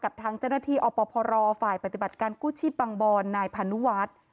ทางเจ้าหน้าที่อพรฝ่ายปฏิบัติการกู้ชีพบังบอนนายพานุวัฒน์